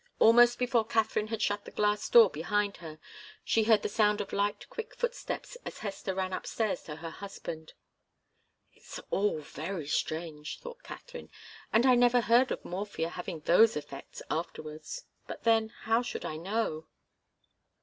Almost before Katharine had shut the glass door behind her, she heard the sound of light, quick footsteps as Hester ran upstairs to her husband. "It's all very strange," thought Katharine. "And I never heard of morphia having those effects afterwards. But then how should I know?"